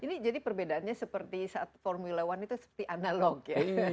ini jadi perbedaannya seperti saat formula one itu seperti analog ya